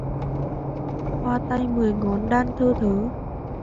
Hoa tay mười ngón đan thơ nhớ